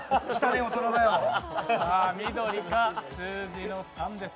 緑か数字の３です。